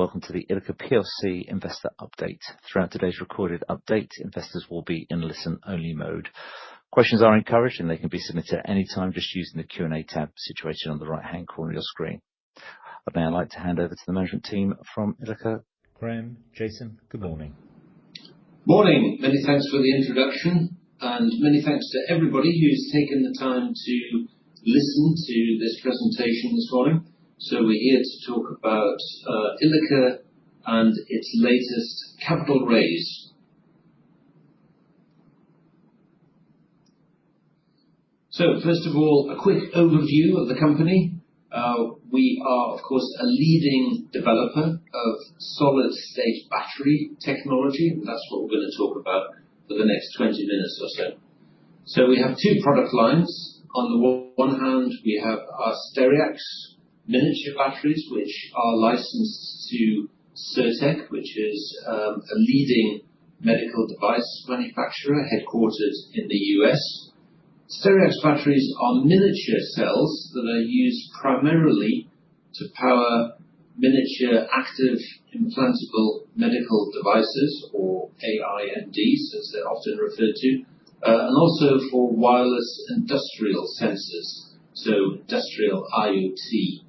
Welcome to the Ilika investor update. Throughout today's recorded update, investors will be in listen-only mode. Questions are encouraged, and they can be submitted at any time just using the Q&A tab situated on the right-hand corner of your screen. I'd now like to hand over to the management team from Ilika, Graeme Purdy. Jason, good morning. Morning. Many thanks for the introduction, and many thanks to everybody who's taken the time to listen to this presentation this morning. We're here to talk about Ilika and its latest capital raise. First of all, a quick overview of the company. We are, of course, a leading developer of solid-state battery technology, and that's what we're going to talk about for the next 20 minutes or so. We have two product lines. On the one hand, we have our Stereax miniature batteries, which are licensed to Cirtec, which is a leading medical device manufacturer headquartered in the U.S. Stereax batteries are miniature cells that are used primarily to power miniature active implantable medical devices, or AIMDs, as they're often referred to, and also for wireless industrial sensors, so industrial IoT.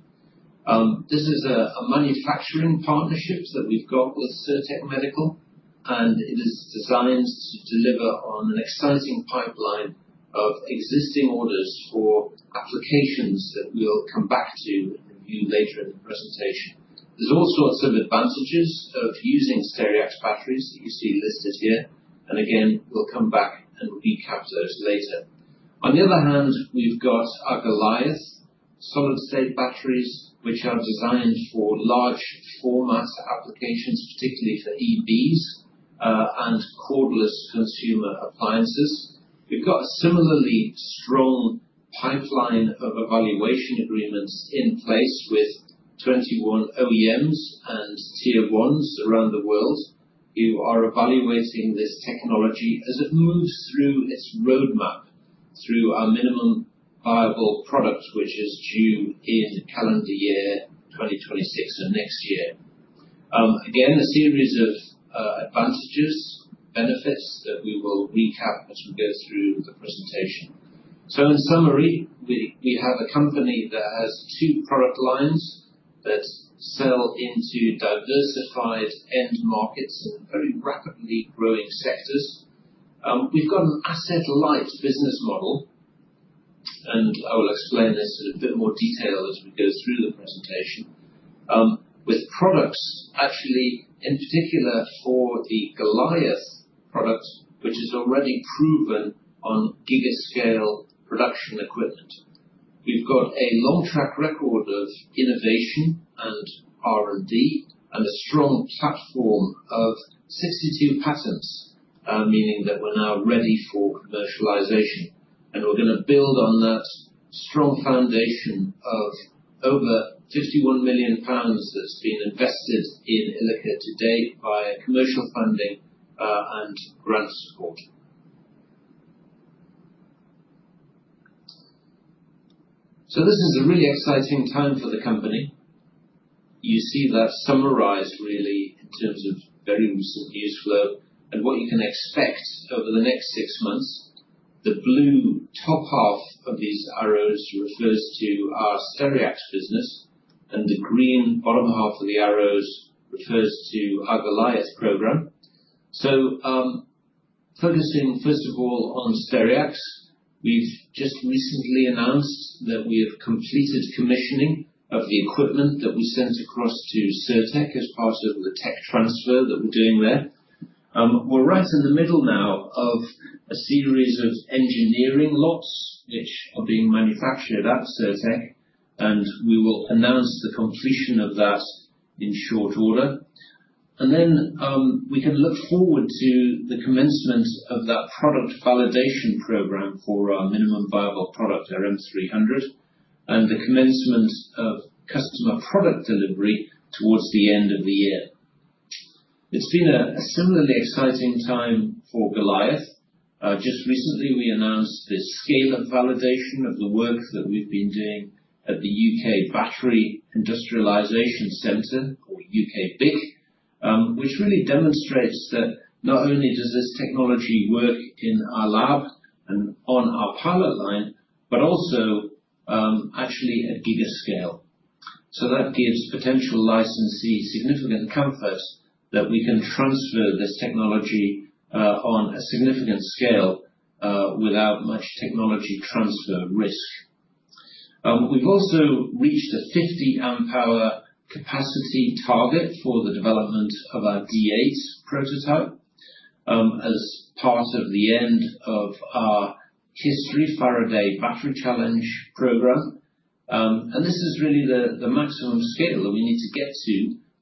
This is a manufacturing partnership that we've got with Cirtec Medical, and it is designed to deliver on an exciting pipeline of existing orders for applications that we'll come back to and review later in the presentation. There's all sorts of advantages of using Stereax batteries that you see listed here, and again, we'll come back and recap those later. On the other hand, we've got our Goliath solid-state batteries, which are designed for large format applications, particularly for EVs and cordless consumer appliances. We've got a similarly strong pipeline of evaluation agreements in place with 21 OEMs and Tier 1s around the world who are evaluating this technology as it moves through its roadmap through our minimum viable product, which is due in calendar year 2026 and next year. Again, a series of advantages, benefits that we will recap as we go through the presentation. In summary, we have a company that has two product lines that sell into diversified end markets in very rapidly growing sectors. We have an asset-light business model, and I will explain this in a bit more detail as we go through the presentation, with products actually in particular for the Goliath product, which is already proven on gigascale production equipment. We have a long track record of innovation and R&D and a strong platform of 62 patents, meaning that we are now ready for commercialization. We are going to build on that strong foundation of over 51 million pounds that has been invested in Ilika to date via commercial funding and grant support. This is a really exciting time for the company. You see that summarized really in terms of very recent news flow and what you can expect over the next six months. The blue top half of these arrows refers to our Stereax business, and the green bottom half of the arrows refers to our Goliath program. Focusing first of all on Stereax, we've just recently announced that we have completed commissioning of the equipment that we sent across to Cirtec as part of the tech transfer that we're doing there. We're right in the middle now of a series of engineering lots which are being manufactured at Cirtec, and we will announce the completion of that in short order. We can look forward to the commencement of that product validation program for our minimum viable product, our M300, and the commencement of customer product delivery towards the end of the year. It's been a similarly exciting time for Goliath. Just recently, we announced the scale of validation of the work that we've been doing at the U.K. Battery Industrialisation Centre, or UKBIC, which really demonstrates that not only does this technology work in our lab and on our pilot line, but also actually at gigascale. That gives potential licensees significant comfort that we can transfer this technology on a significant scale without much technology transfer risk. We've also reached a 50 Ah capacity target for the development of our D8 prototype as part of the end of our history Faraday Battery Challenge Program. This is really the maximum scale that we need to get to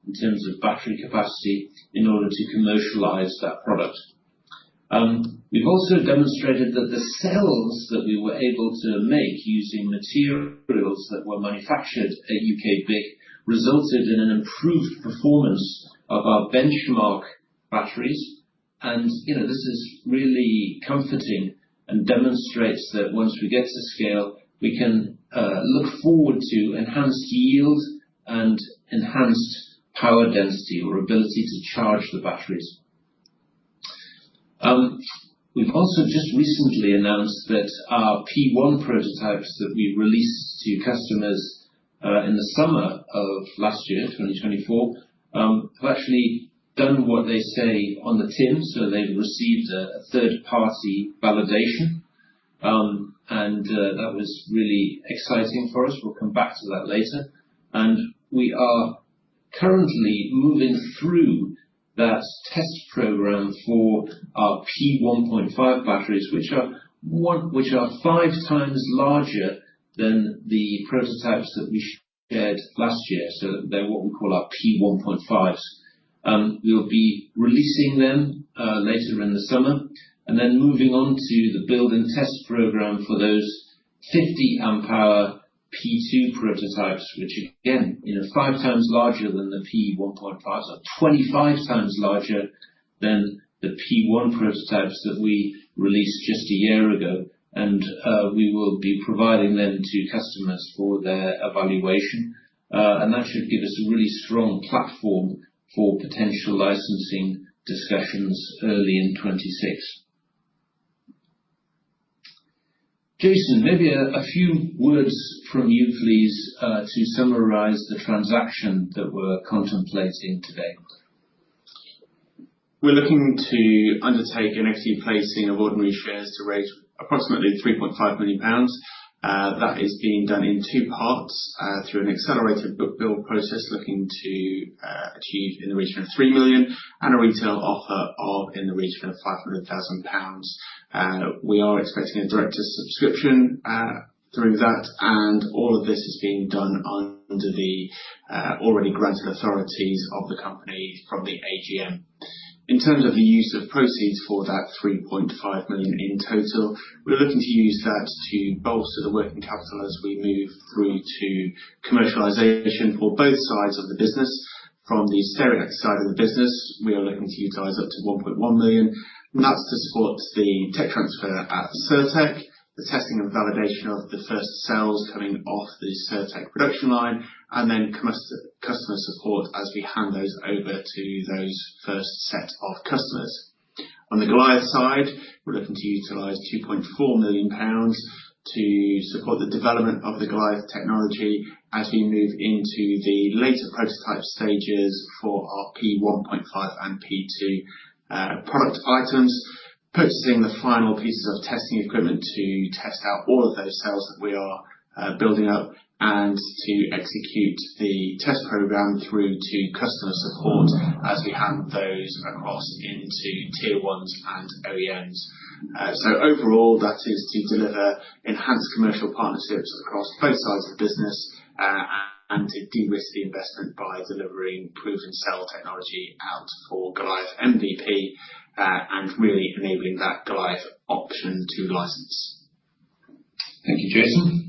in terms of battery capacity in order to commercialize that product. We've also demonstrated that the cells that we were able to make using materials that were manufactured at UKBIC resulted in an improved performance of our benchmark batteries. This is really comforting and demonstrates that once we get to scale, we can look forward to enhanced yield and enhanced power density or ability to charge the batteries. We have also just recently announced that our P1 prototypes that we released to customers in the summer of last year, 2024, have actually done what they say on the tin. They have received a third-party validation, and that was really exciting for us. We will come back to that later. We are currently moving through that test program for our P1.5 batteries, which are 5x larger than the prototypes that we shared last year. They are what we call our P1.5s. We'll be releasing them later in the summer and then moving on to the build and test program for those 50 Ah P2 prototypes, which again, 5x larger than the P1.5s, are 25x larger than the P1 prototypes that we released just a year ago. We will be providing them to customers for their evaluation. That should give us a really strong platform for potential licensing discussions early in 2026. Jason, maybe a few words from you, please, to summarize the transaction that we're contemplating today. We're looking to undertake an equity placing of ordinary shares to raise approximately 3.5 million pounds. That is being done in two parts through an accelerated book build process looking to achieve in the region of 3 million and a retail offer of in the region of 500,000 pounds. We are expecting a direct subscription through that, and all of this is being done under the already granted authorities of the company from the AGM. In terms of the use of proceeds for that 3.5 million in total, we're looking to use that to bolster the working capital as we move through to commercialization for both sides of the business. From the Stereax side of the business, we are looking to utilize up to 1.1 million. That is to support the tech transfer at Cirtec, the testing and validation of the first cells coming off the Cirtec Medical production line, and then customer support as we hand those over to those first set of customers. On the Goliath side, we are looking to utilize 2.4 million pounds to support the development of the Goliath technology as we move into the later prototype stages for our P1.5 and P2 product items, purchasing the final pieces of testing equipment to test out all of those cells that we are building up and to execute the test program through to customer support as we hand those across into Tier 1s and OEMs. Overall, that is to deliver enhanced commercial partnerships across both sides of the business and to de-risk the investment by delivering proven cell technology out for Goliath MVP and really enabling that Goliath option to license. Thank you, Jason.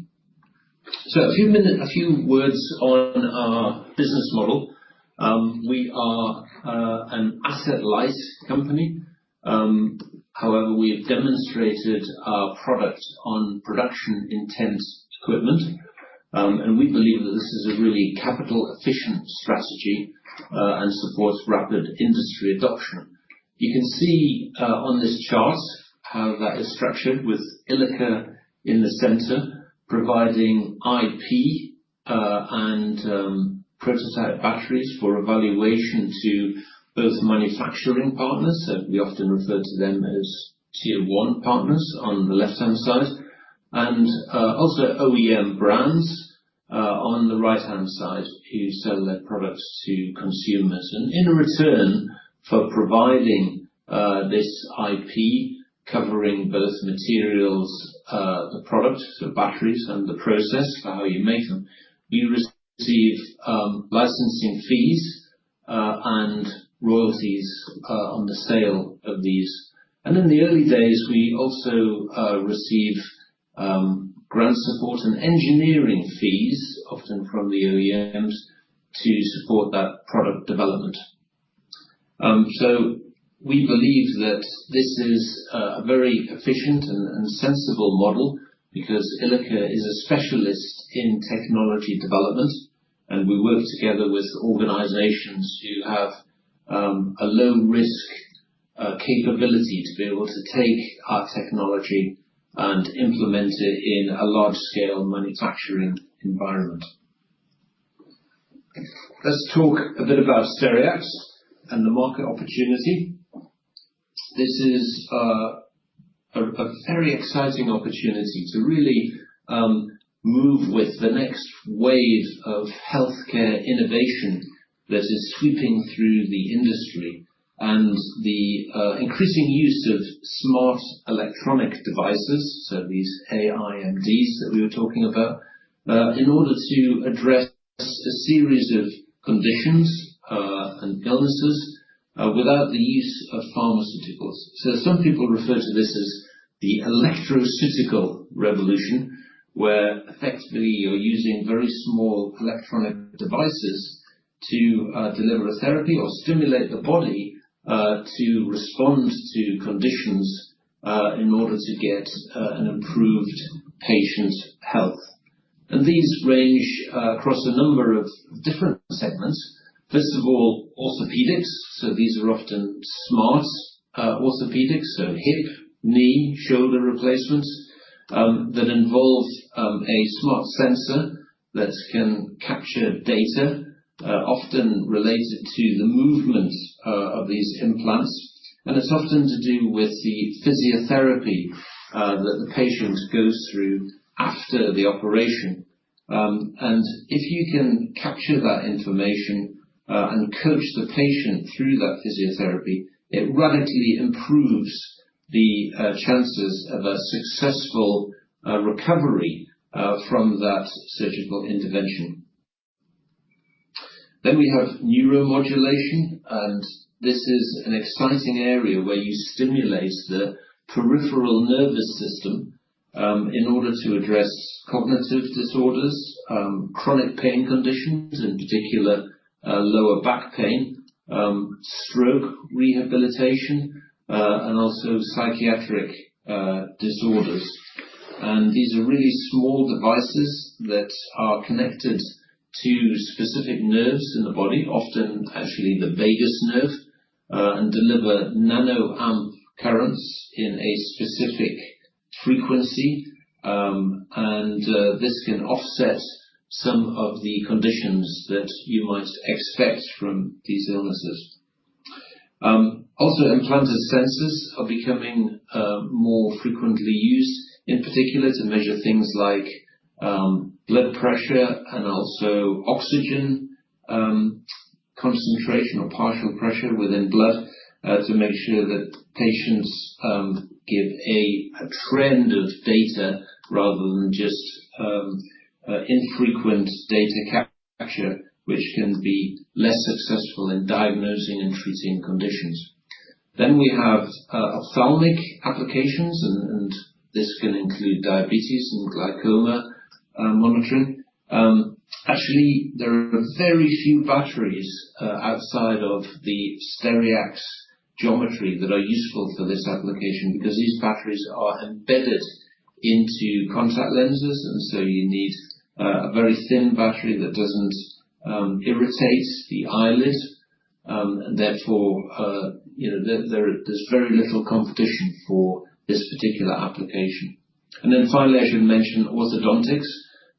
A few words on our business model. We are an asset-light company. However, we have demonstrated our product on production-intent equipment, and we believe that this is a really capital-efficient strategy and supports rapid industry adoption. You can see on this chart how that is structured with Ilika in the center providing IP and prototype batteries for evaluation to both manufacturing partners, so we often refer to them as Tier 1 partners on the left-hand side, and also OEM brands on the right-hand side who sell their products to consumers. In return for providing this IP, covering both materials, the product, so batteries, and the process for how you make them, you receive licensing fees and royalties on the sale of these. In the early days, we also receive grant support and engineering fees, often from the OEMs, to support that product development. We believe that this is a very efficient and sensible model because Ilika is a specialist in technology development, and we work together with organizations who have a low-risk capability to be able to take our technology and implement it in a large-scale manufacturing environment. Let's talk a bit about Stereax and the market opportunity. This is a very exciting opportunity to really move with the next wave of healthcare innovation that is sweeping through the industry and the increasing use of smart electronic devices, these AIMDs that we were talking about, in order to address a series of conditions and illnesses without the use of pharmaceuticals. Some people refer to this as the electroceutical revolution, where effectively you're using very small electronic devices to deliver a therapy or stimulate the body to respond to conditions in order to get an improved patient health. These range across a number of different segments. First of all, orthopedics. These are often smart orthopedics, so hip, knee, shoulder replacements that involve a smart sensor that can capture data, often related to the movement of these implants. It is often to do with the physiotherapy that the patient goes through after the operation. If you can capture that information and coach the patient through that physiotherapy, it radically improves the chances of a successful recovery from that surgical intervention. We have neuromodulation, and this is an exciting area where you stimulate the peripheral nervous system in order to address cognitive disorders, chronic pain conditions, in particular lower back pain, stroke rehabilitation, and also psychiatric disorders. These are really small devices that are connected to specific nerves in the body, often actually the vagus nerve, and deliver nano-amp currents in a specific frequency. This can offset some of the conditions that you might expect from these illnesses. Also, implanted sensors are becoming more frequently used, in particular to measure things like blood pressure and also oxygen concentration or partial pressure within blood to make sure that patients give a trend of data rather than just infrequent data capture, which can be less successful in diagnosing and treating conditions. We have ophthalmic applications, and this can include diabetes and glaucoma monitoring. Actually, there are very few batteries outside of the Stereax geometry that are useful for this application because these batteries are embedded into contact lenses, and you need a very thin battery that does not irritate the eyelid. Therefore, there is very little competition for this particular application. I should mention orthodontics,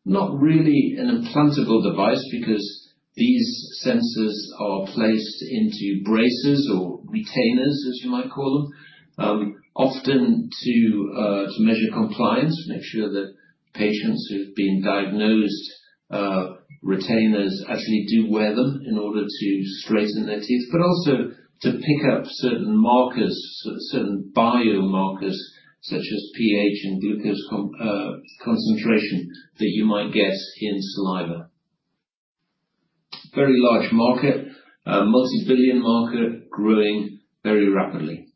not really an implantable device because these sensors are placed into braces or retainers, as you might call them, often to measure compliance, make sure that patients who've been diagnosed retainers actually do wear them in order to straighten their teeth, but also to pick up certain markers, certain biomarkers such as pH and glucose concentration that you might get in saliva. Very large market, multi-billion market, growing very rapidly.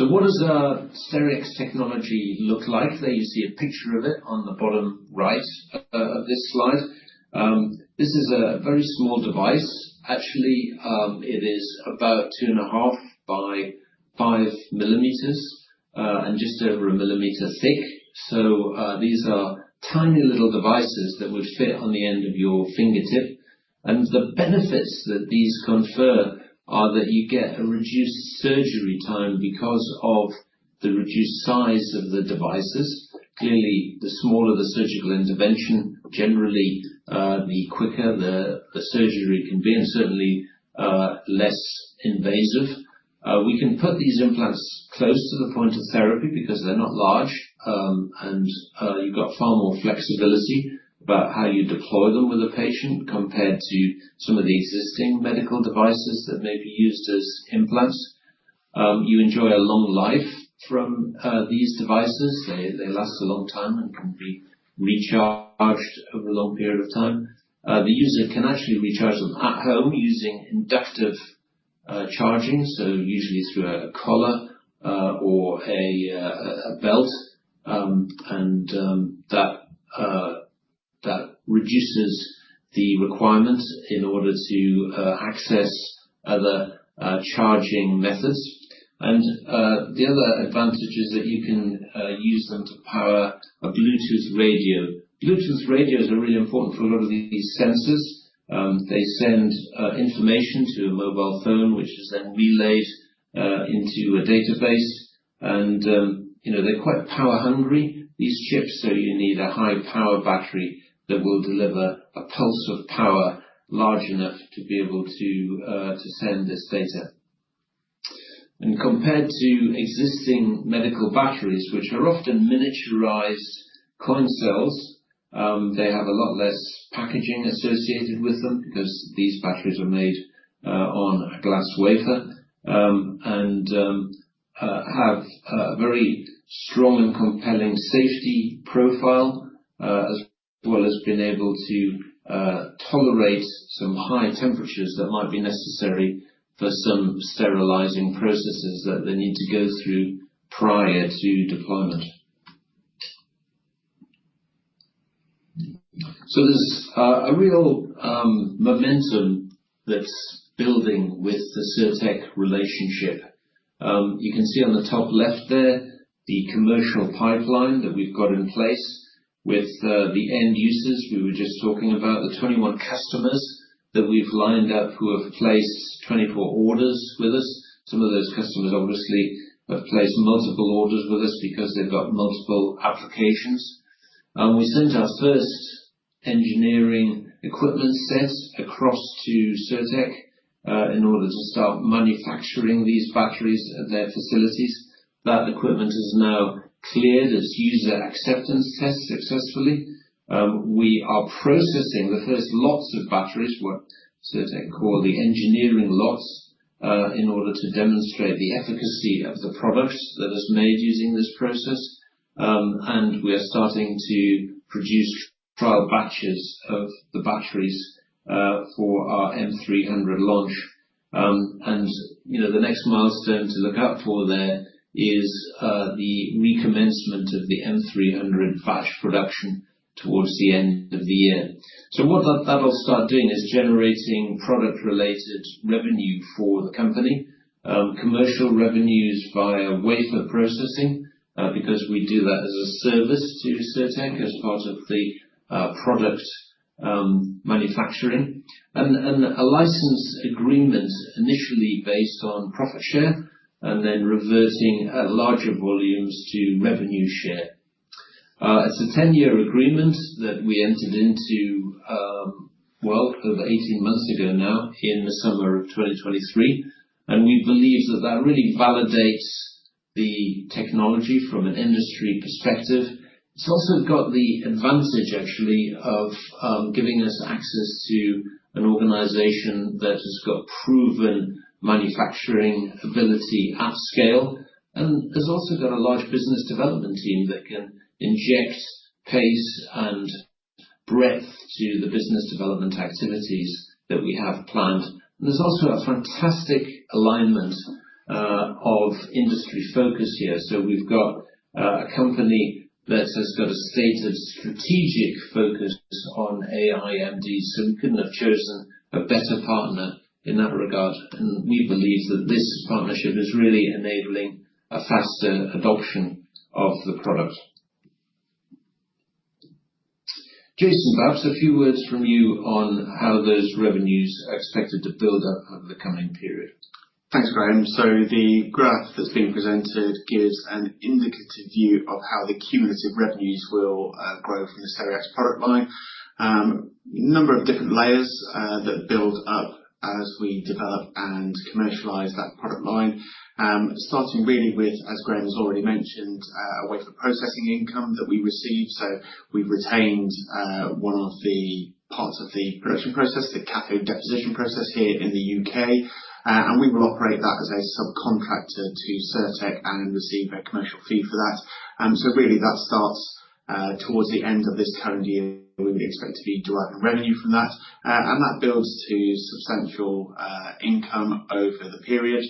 What does Stereax technology look like? There you see a picture of it on the bottom right of this slide. This is a very small device. Actually, it is about 2.5 mm by 5 mm and just over 1 mm thick. These are tiny little devices that would fit on the end of your fingertip. The benefits that these confer are that you get a reduced surgery time because of the reduced size of the devices. Clearly, the smaller the surgical intervention, generally the quicker the surgery can be and certainly less invasive. We can put these implants close to the point of therapy because they're not large, and you've got far more flexibility about how you deploy them with a patient compared to some of the existing medical devices that may be used as implants. You enjoy a long life from these devices. They last a long time and can be recharged over a long period of time. The user can actually recharge them at home using inductive charging, usually through a collar or a belt. That reduces the requirements in order to access other charging methods. The other advantage is that you can use them to power a Bluetooth radio. Bluetooth radios are really important for a lot of these sensors. They send information to a mobile phone, which is then relayed into a database. They're quite power-hungry, these chips, so you need a high-power battery that will deliver a pulse of power large enough to be able to send this data. Compared to existing medical batteries, which are often miniaturized coin cells, they have a lot less packaging associated with them because these batteries are made on a glass wafer and have a very strong and compelling safety profile, as well as being able to tolerate some high temperatures that might be necessary for some sterilizing processes that they need to go through prior to deployment. There's a real momentum that's building with the Cirtec relationship. You can see on the top left there the commercial pipeline that we've got in place with the end users we were just talking about, the 21 customers that we've lined up who have placed 24 orders with us. Some of those customers obviously have placed multiple orders with us because they've got multiple applications. We sent our first engineering equipment sets across to Cirtec in order to start manufacturing these batteries at their facilities. That equipment is now cleared. It's used at acceptance tests successfully. We are processing the first lots of batteries, what Cirtec call the engineering lots, in order to demonstrate the efficacy of the products that are made using this process. We are starting to produce trial batches of the batteries for our M300 launch. The next milestone to look out for there is the recommencement of the M300 batch production towards the end of the year. What that'll start doing is generating product-related revenue for the company, commercial revenues via wafer processing because we do that as a service to Cirtec as part of the product manufacturing, and a license agreement initially based on profit share and then reverting at larger volumes to revenue share. It is a 10-year agreement that we entered into well over 18 months ago now in the summer of 2023. We believe that that really validates the technology from an industry perspective. It has also got the advantage, actually, of giving us access to an organization that has got proven manufacturing ability at scale. It has also got a large business development team that can inject pace and breadth to the business development activities that we have planned. There is also a fantastic alignment of industry focus here. We have a company that has a stated strategic focus on AIMDs, so we could not have chosen a better partner in that regard. We believe that this partnership is really enabling a faster adoption of the product. Jason, perhaps a few words from you on how those revenues are expected to build up over the coming period. Thanks, Graeme. The graph that is being presented gives an indicative view of how the cumulative revenues will grow from the Stereax product line. A number of different layers build up as we develop and commercialize that product line, starting really with, as Graeme has already mentioned, a wafer processing income that we received. We have retained one of the parts of the production process, the cathode deposition process here in the U.K. We will operate that as a subcontractor to Cirtec and receive a commercial fee for that. That starts towards the end of this calendar year. We would expect to be deriving revenue from that. That builds to substantial income over the period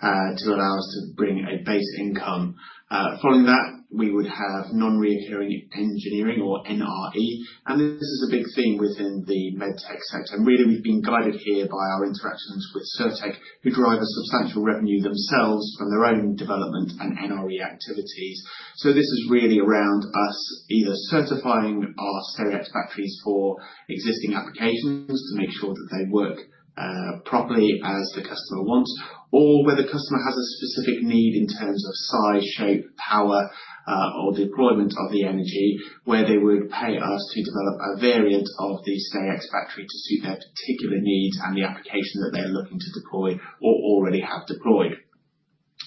to allow us to bring a base income. Following that, we would have non-recurring engineering or NRE. This is a big theme within the med tech sector. We have been guided here by our interactions with Cirtec, who drive substantial revenue themselves from their own development and NRE activities. This is really around us either certifying our Stereax batteries for existing applications to make sure that they work properly as the customer wants, or where the customer has a specific need in terms of size, shape, power, or deployment of the energy, where they would pay us to develop a variant of the Stereax battery to suit their particular needs and the application that they are looking to deploy or already have deployed.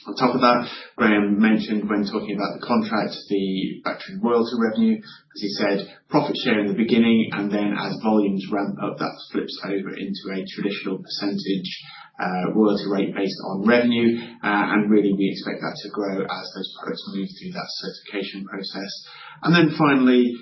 On top of that, Graeme mentioned when talking about the contract, the battery royalty revenue, as he said, profit share in the beginning, and then as volumes ramp up, that flips over into a traditional percentage royalty rate based on revenue. We expect that to grow as those products move through that certification process. Finally,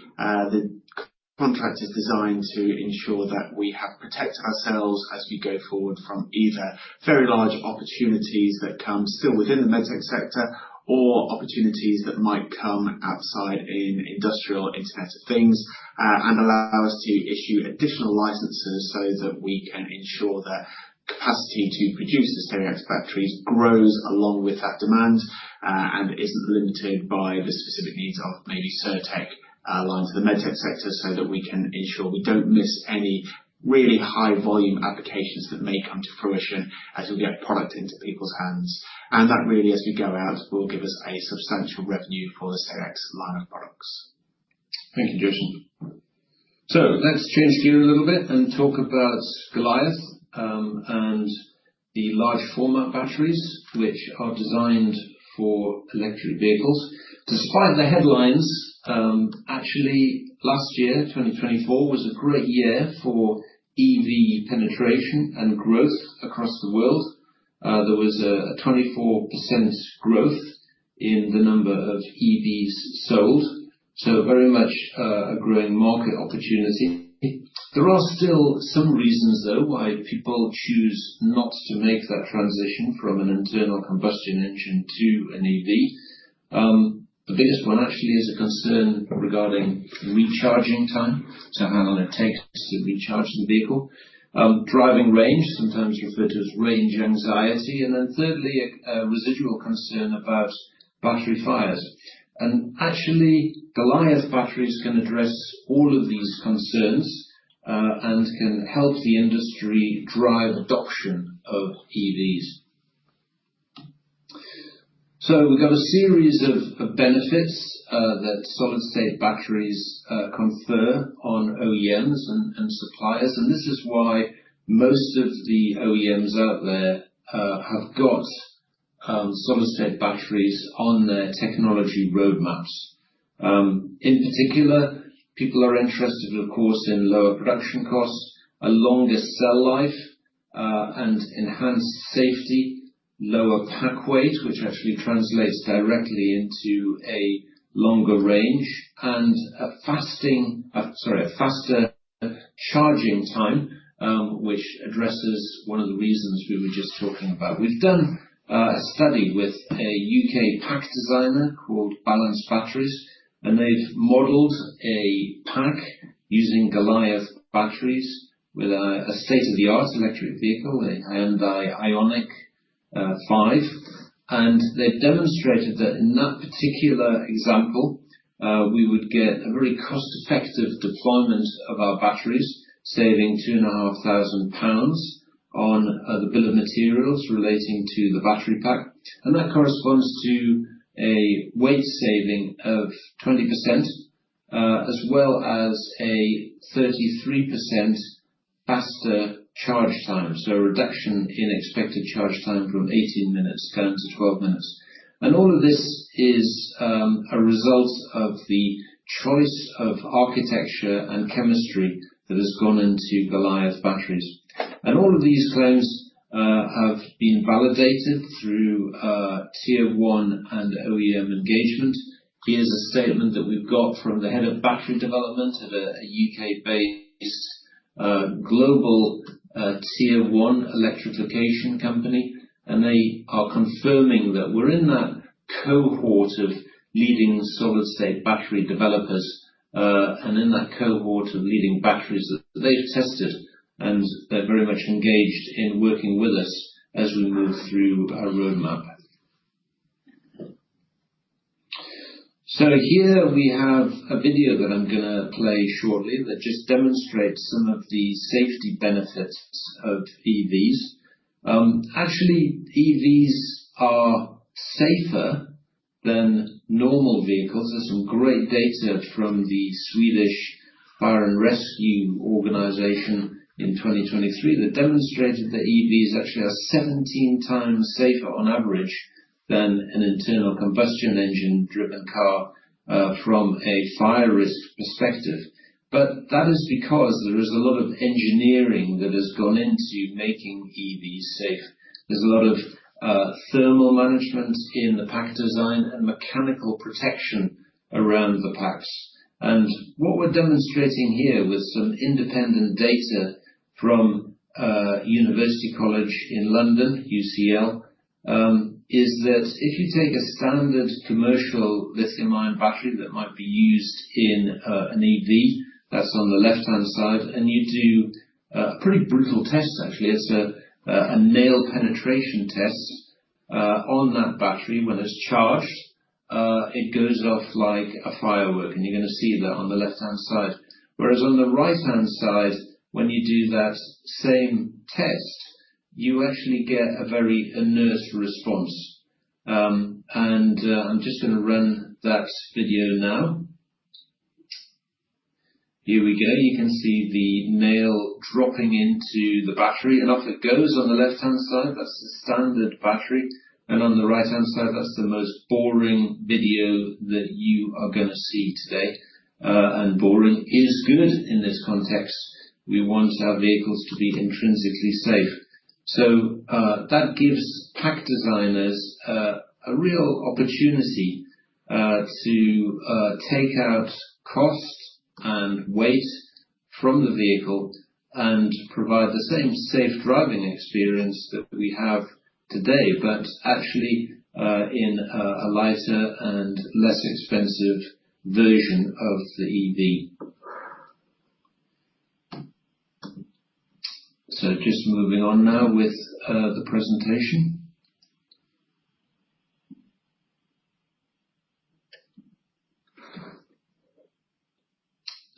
the contract is designed to ensure that we have protected ourselves as we go forward from either very large opportunities that come still within the med tech sector or opportunities that might come outside in industrial internet of things and allow us to issue additional licenses so that we can ensure that capacity to produce the Stereax batteries grows along with that demand and is not limited by the specific needs of maybe Cirtec lines of the med tech sector so that we can ensure we do not miss any really high-volume applications that may come to fruition as we get product into people's hands. That really, as we go out, will give us a substantial revenue for the Stereax line of products. Thank you, Jason. Let's change gears a little bit and talk about Goliath and the large-format batteries, which are designed for electric vehicles. Despite the headlines, actually, last year, 2024, was a great year for EV penetration and growth across the world. There was a 24% growth in the number of EVs sold, so very much a growing market opportunity. There are still some reasons, though, why people choose not to make that transition from an internal combustion engine to an EV. The biggest one, actually, is a concern regarding recharging time, so how long it takes to recharge the vehicle, driving range, sometimes referred to as range anxiety, and then thirdly, a residual concern about battery fires. Actually, Goliath batteries can address all of these concerns and can help the industry drive adoption of EVs. We have got a series of benefits that solid-state batteries confer on OEMs and suppliers. This is why most of the OEMs out there have got solid-state batteries on their technology roadmaps. In particular, people are interested, of course, in lower production costs, a longer cell life, and enhanced safety, lower pack weight, which actually translates directly into a longer range, and a fasting—sorry, a faster charging time, which addresses one of the reasons we were just talking about. We've done a study with a U.K. pack designer called Balance Batteries, and they've modeled a pack using Goliath batteries with a state-of-the-art electric vehicle, a Hyundai IONIQ 5. They've demonstrated that in that particular example, we would get a very cost-effective deployment of our batteries, saving 2,500 pounds on the bill of materials relating to the battery pack. That corresponds to a weight saving of 20%, as well as a 33% faster charge time, so a reduction in expected charge time from 18 minutes down to 12 minutes. All of this is a result of the choice of architecture and chemistry that has gone into Goliath batteries. All of these claims have been validated through Tier 1 and OEM engagement. Here is a statement that we have got from the Head of Battery Development at a U.K.-based global Tier 1 electrification company. They are confirming that we are in that cohort of leading solid-state battery developers and in that cohort of leading batteries that they have tested. They are very much engaged in working with us as we move through our roadmap. Here we have a video that I am going to play shortly that just demonstrates some of the safety benefits of EVs. Actually, EVs are safer than normal vehicles. There's some great data from the Swedish Fire and Rescue Organization in 2023 that demonstrated that EVs actually are 17x safer on average than an internal combustion engine-driven car from a fire risk perspective. That is because there is a lot of engineering that has gone into making EVs safe. There's a lot of thermal management in the pack design and mechanical protection around the packs. What we're demonstrating here with some independent data from University College London, UCL, is that if you take a standard commercial lithium-ion battery that might be used in an EV, that's on the left-hand side, and you do a pretty brutal test, actually. It's a nail penetration test on that battery. When it's charged, it goes off like a firework. You're going to see that on the left-hand side. Whereas on the right-hand side, when you do that same test, you actually get a very inert response. I am just going to run that video now. Here we go. You can see the nail dropping into the battery. Off it goes on the left-hand side. That is the standard battery. On the right-hand side, that is the most boring video that you are going to see today. Boring is good in this context. We want our vehicles to be intrinsically safe. That gives pack designers a real opportunity to take out cost and weight from the vehicle and provide the same safe driving experience that we have today, but actually in a lighter and less expensive version of the EV. Just moving on now with the presentation.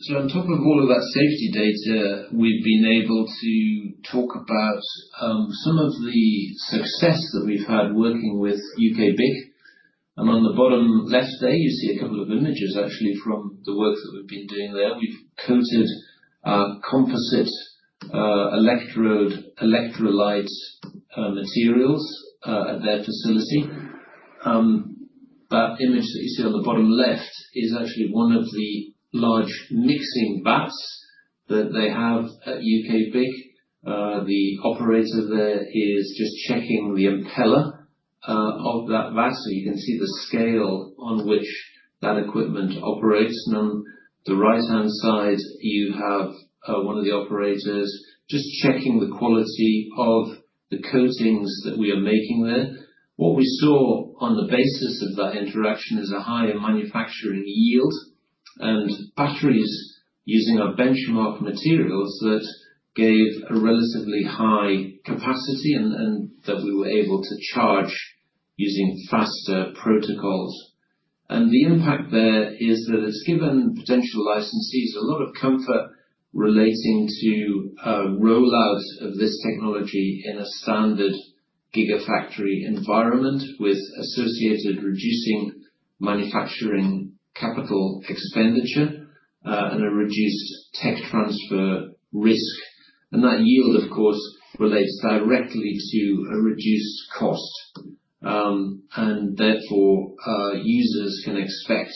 On top of all of that safety data, we've been able to talk about some of the success that we've had working with UKBIC. On the bottom left there, you see a couple of images, actually, from the work that we've been doing there. We've coated composite electrode electrolyte materials at their facility. That image that you see on the bottom left is actually one of the large mixing vats that they have at UKBIC. The operator there is just checking the impeller of that vat. You can see the scale on which that equipment operates. On the right-hand side, you have one of the operators just checking the quality of the coatings that we are making there. What we saw on the basis of that interaction is a higher manufacturing yield and batteries using our benchmark materials that gave a relatively high capacity and that we were able to charge using faster protocols. The impact there is that it has given potential licensees a lot of comfort relating to roll-out of this technology in a standard gigafactory environment with associated reducing manufacturing capital expenditure and a reduced tech transfer risk. That yield, of course, relates directly to a reduced cost. Therefore, users can expect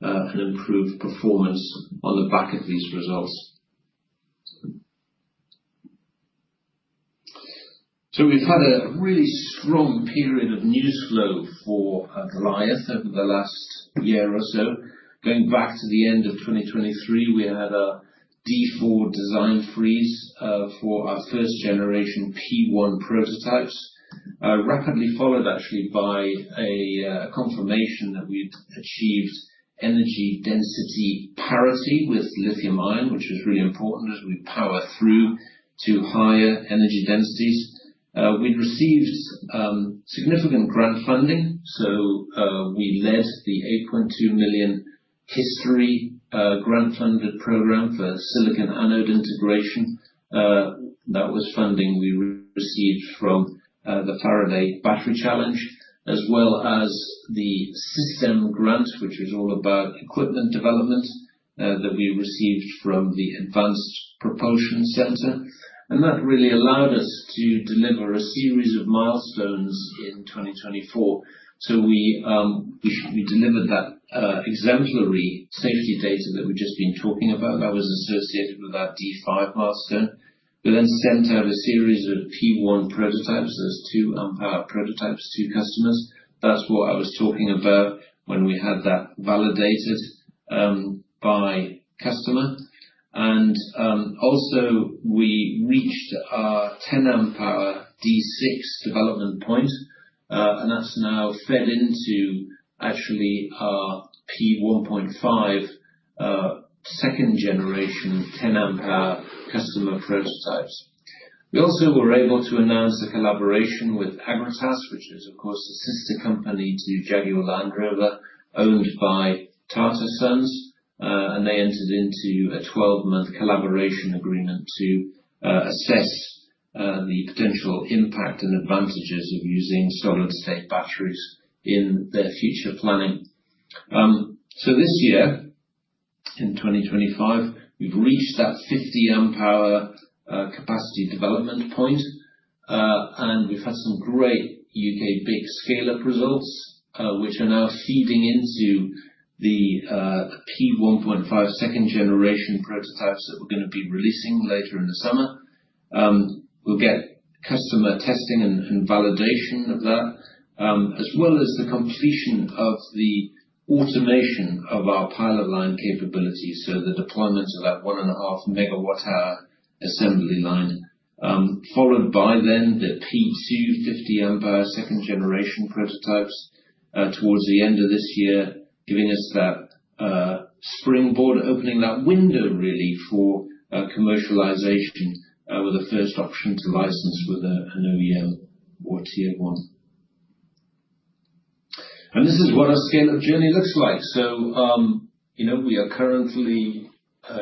an improved performance on the back of these results. We have had a really strong period of news flow for Goliath over the last year or so. Going back to the end of 2023, we had a D4 design freeze for our first-generation P1 prototypes, rapidly followed, actually, by a confirmation that we'd achieved energy density parity with lithium-ion, which is really important as we power through to higher energy densities. We'd received significant grant funding. We led the 8.2 million HISTORY grant-funded program for silicon anode integration. That was funding we received from the Faraday Battery Challenge, as well as the SiSTEM grant, which is all about equipment development that we received from the Advanced Propulsion Center. That really allowed us to deliver a series of milestones in 2024. We delivered that exemplary safety data that we've just been talking about that was associated with that D5 milestone. We then sent out a series of P1 prototypes. There's 2 Ah prototypes to customers. That's what I was talking about when we had that validated by customer. We reached our 10 Ah D6 development point. That's now fed into actually our P1.5 second-generation 10 Ah customer prototypes. We also were able to announce a collaboration with Agratas, which is, of course, a sister company to Jaguar Land Rover owned by Tata Sons. They entered into a 12-month collaboration agreement to assess the potential impact and advantages of using solid-state batteries in their future planning. This year, in 2025, we've reached that 50 Ah capacity development point. We've had some great UKBIC scale-up results, which are now feeding into the P1.5 second-generation prototypes that we're going to be releasing later in the summer. We'll get customer testing and validation of that, as well as the completion of the automation of our pilot line capabilities. The deployment of that 1.5 megawatt-hour assembly line, followed by the P2 50 Ah second-generation prototypes towards the end of this year, gives us that springboard, opening that window, really, for commercialization with a first option to license with an OEM or Tier 1. This is what our scale-up journey looks like. We are currently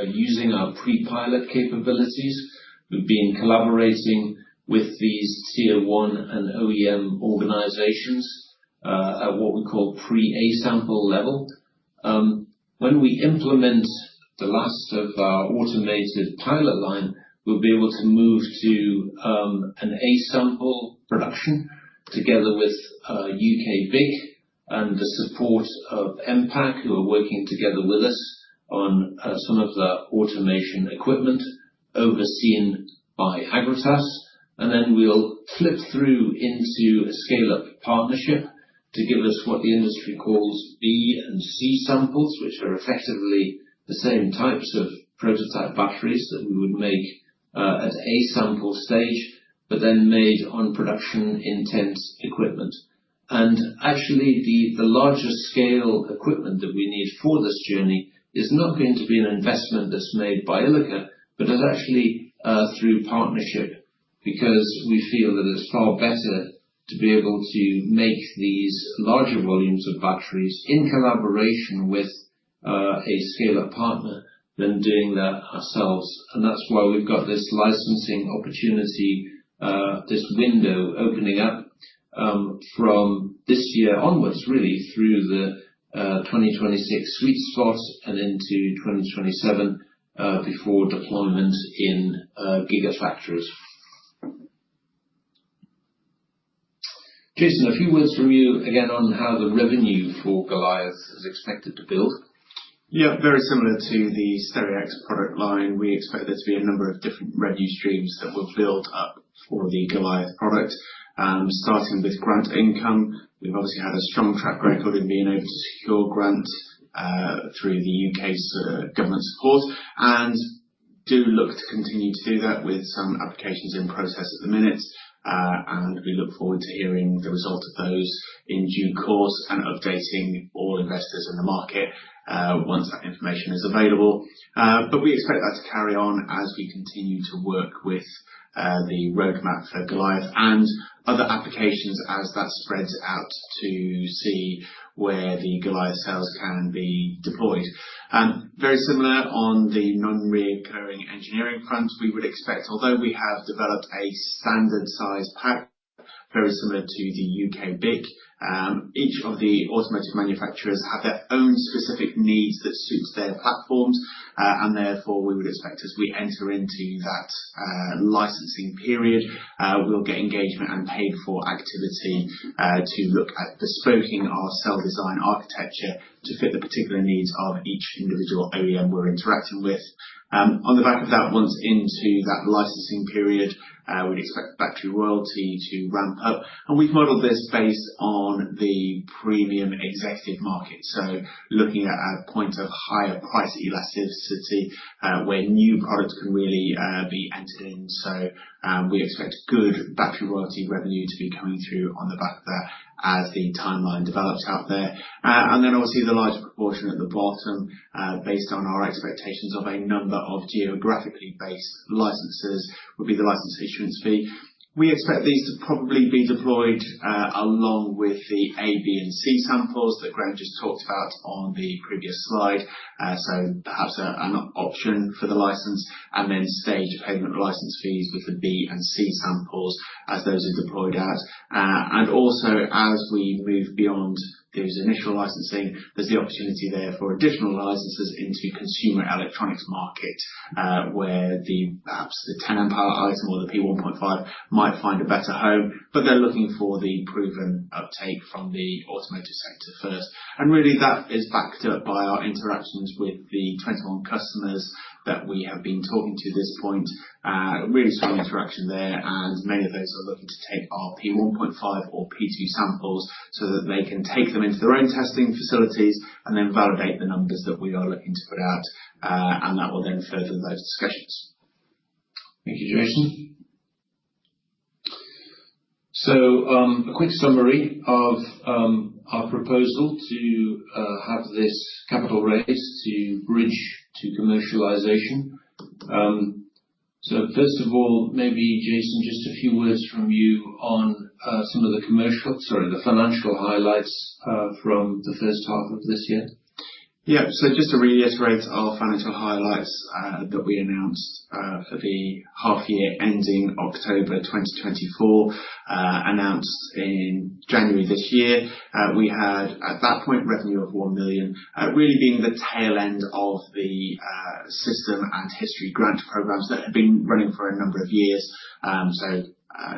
using our pre-pilot capabilities. We've been collaborating with these Tier 1 and OEM organizations at what we call pre-A-sample level. When we implement the last of our automated pilot line, we'll be able to move to an A-Sample production together with UKBIC and the support of Mpac, who are working together with us on some of the automation equipment overseen by Agratas. We will flip through into a scale-up partnership to give us what the industry calls B- and C-Samples, which are effectively the same types of prototype batteries that we would make at A-Sample stage, but then made on production intent equipment. Actually, the larger scale equipment that we need for this journey is not going to be an investment that's made by Ilika, but is actually through partnership because we feel that it's far better to be able to make these larger volumes of batteries in collaboration with a scale-up partner than doing that ourselves. That is why we've got this licensing opportunity, this window opening up from this year onwards, really, through the 2026 sweet spot and into 2027 before deployment in gigafactories. Jason, a few words from you again on how the revenue for Goliath is expected to build. Yeah, very similar to the Stereax product line. We expect there to be a number of different revenue streams that will build up for the Goliath product, starting with grant income. We've obviously had a strong track record in being able to secure grants through the U.K.'s government support and do look to continue to do that with some applications in process at the minute. We look forward to hearing the result of those in due course and updating all investors in the market once that information is available. We expect that to carry on as we continue to work with the roadmap for Goliath and other applications as that spreads out to see where the Goliath cells can be deployed. Very similar on the non-recurring engineering front, we would expect, although we have developed a standard size pack, very similar to the UKBIC, each of the automotive manufacturers have their own specific needs that suit their platforms. Therefore, we would expect as we enter into that licensing period, we'll get engagement and paid-for activity to look at bespoking our cell design architecture to fit the particular needs of each individual OEM we're interacting with. On the back of that, once into that licensing period, we'd expect battery royalty to ramp up. We've modeled this based on the premium executive market. Looking at a point of higher price elasticity where new products can really be entered in. We expect good battery royalty revenue to be coming through on the back of that as the timeline develops out there. Obviously, the large proportion at the bottom, based on our expectations of a number of geographically based licenses, would be the license issuance fee. We expect these to probably be deployed along with the A-, B-, and C-Samples that Graeme just talked about on the previous slide. Perhaps an option for the license and then stage payment license fees with the B- and C-Samples as those are deployed out. Also, as we move beyond those initial licensing, there's the opportunity there for additional licenses into the consumer electronics market, where perhaps the 10 Ah item or the P1.5 might find a better home, but they're looking for the proven uptake from the automotive sector first. That is backed up by our interactions with the 21 customers that we have been talking to at this point. Really strong interaction there. Many of those are looking to take our P1.5 or P2 samples so that they can take them into their own testing facilities and then validate the numbers that we are looking to put out. That will then further those discussions. Thank you, Jason. A quick summary of our proposal to have this capital raise to bridge to commercialization. First of all, maybe, Jason, just a few words from you on some of the commercial, sorry, the financial highlights from the first half of this year. Yeah. Just to reiterate our financial highlights that we announced for the half-year ending October 2024, announced in January this year, we had at that point revenue of 1 million, really being the tail end of the system and history grant programs that had been running for a number of years.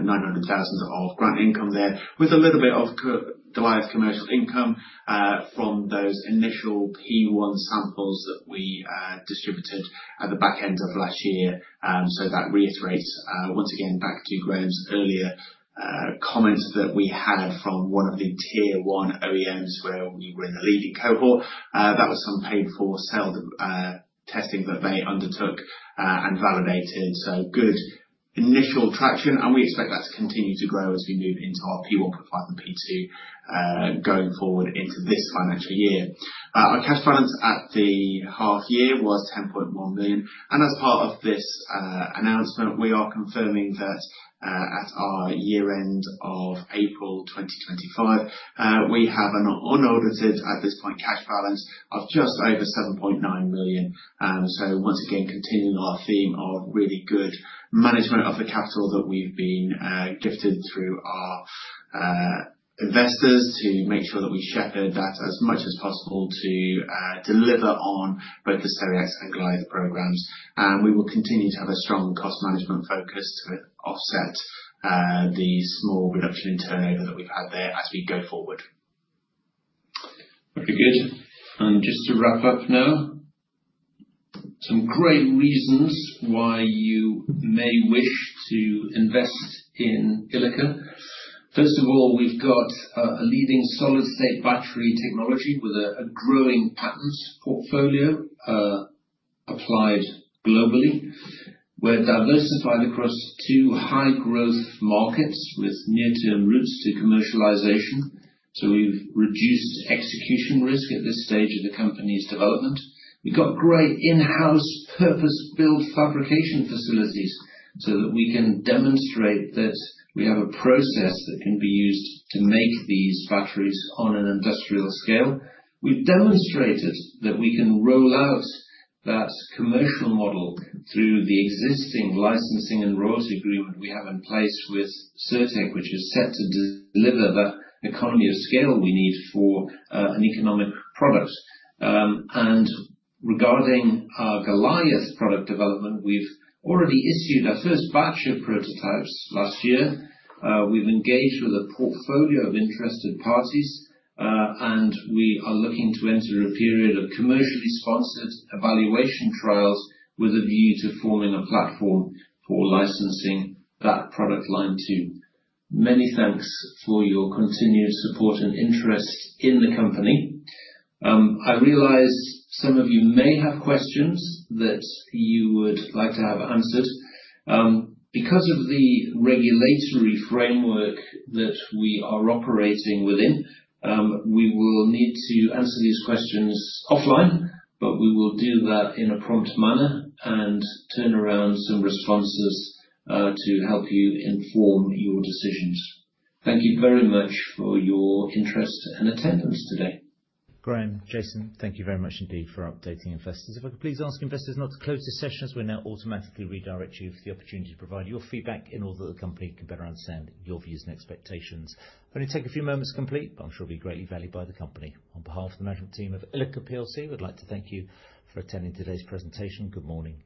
900,000 of grant income there with a little bit of Goliath commercial income from those initial P1 samples that we distributed at the back end of last year. That reiterates once again back to Graeme's earlier comments that we had from one of the Tier 1 OEMs where we were in the leading cohort. That was some paid-for cell testing that they undertook and validated. Good initial traction. We expect that to continue to grow as we move into our P1.5 and P2 going forward into this financial year. Our cash balance at the half-year was 10.1 million. As part of this announcement, we are confirming that at our year-end of April 2025, we have an unaudited at this point cash balance of just over 7.9 million. Once again, continuing our theme of really good management of the capital that we've been gifted through our investors to make sure that we shepherd that as much as possible to deliver on both the Stereax and Goliath programs. We will continue to have a strong cost management focus to offset the small reduction in turnover that we've had there as we go forward. Okay, good. Just to wrap up now, some great reasons why you may wish to invest in Ilika. First of all, we've got a leading solid-state battery technology with a growing patent portfolio applied globally. We're diversified across two high-growth markets with near-term routes to commercialization. We've reduced execution risk at this stage of the company's development. We've got great in-house purpose-built fabrication facilities so that we can demonstrate that we have a process that can be used to make these batteries on an industrial scale. We've demonstrated that we can roll out that commercial model through the existing licensing and royalty agreement we have in place with Cirtec, which is set to deliver the economy of scale we need for an economic product. Regarding our Goliath product development, we've already issued our first batch of prototypes last year. We've engaged with a portfolio of interested parties. We are looking to enter a period of commercially sponsored evaluation trials with a view to forming a platform for licensing that product line too. Many thanks for your continued support and interest in the company. I realize some of you may have questions that you would like to have answered. Because of the regulatory framework that we are operating within, we will need to answer these questions offline, but we will do that in a prompt manner and turn around some responses to help you inform your decisions. Thank you very much for your interest and attendance today. Graeme, Jason, thank you very much indeed for updating investors. If I could please ask investors not to close the sessions, we will now automatically redirect you for the opportunity to provide your feedback in order that the company can better understand your views and expectations. Only take a few moments to complete, but I am sure it will be greatly valued by the company. On behalf of the management team of Ilika, we would like to thank you for attending today's presentation. Good morning.